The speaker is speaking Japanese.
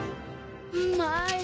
うまい。